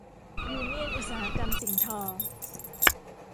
ยูเนี่ยนอุตสาหกรรมสิ่งทอ